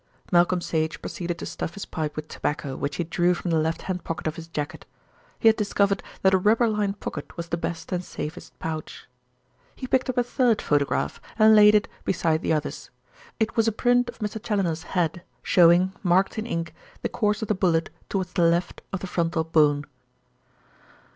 Malcolm Sage proceeded to stuff his pipe with tobacco which he drew from the left hand pocket of his jacket. He had discovered that a rubber lined pocket was the best and safest pouch. He picked up a third photograph and laid it beside the others. It was a print of Mr. Challoner's head, showing, marked in ink, the course of the bullet towards the left of the frontal bone.